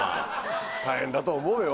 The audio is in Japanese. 大変だと思うよ。